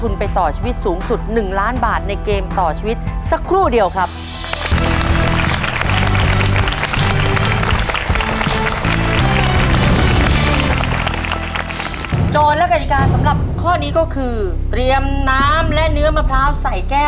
แล้วเฟสที่มันบล็อกไว้ล่ะลูก